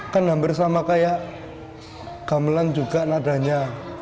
kan hampir sama kayak gamelan juga nadanya